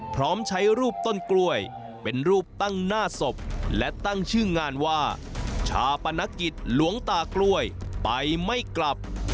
พร้อมใช้รูปต้นกล้วยเป็นรูปตั้งหน้าศพและตั้งชื่องานว่าชาปนกิจหลวงตากล้วยไปไม่กลับ